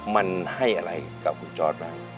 มันให้อะไรกับคุณจอร์ตเลย